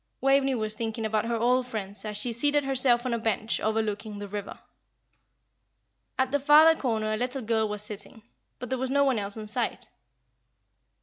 Waveney was thinking about her old friends as she seated herself on a bench overlooking the river. At the farther corner a little girl was sitting. But there was no one else in sight.